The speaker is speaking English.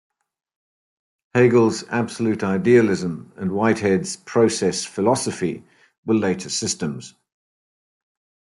Hegel's Absolute idealism and Whitehead's Process philosophy were later systems.